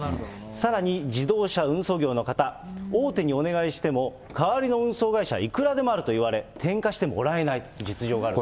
さらに自動車運送業の方、大手にお願いしても、代わりの運送会社はいくらでもあると言われ、転嫁してもらえないという実情がある。